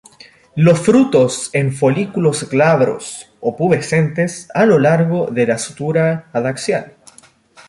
Los frutos en folículos glabros o pubescentes a lo largo de la sutura adaxial.